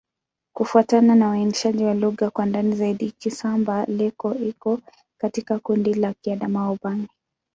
Kufuatana na uainishaji wa lugha kwa ndani zaidi, Kisamba-Leko iko katika kundi la Kiadamawa-Ubangi.